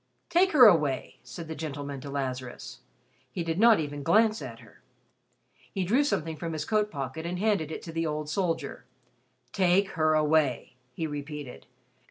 "Take her away," said the gentleman to Lazarus. He did not even glance at her. He drew something from his coat pocket and handed it to the old soldier. "Take her away," he repeated.